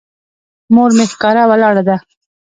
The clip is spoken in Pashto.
مور مې ښکاره ولاړه ده.